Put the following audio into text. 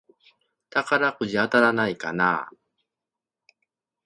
宝くじ当たらないかなぁ